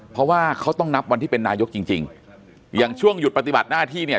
เพราะว่าเขาต้องนับวันที่เป็นนายกจริงจริงอย่างช่วงหยุดปฏิบัติหน้าที่เนี่ย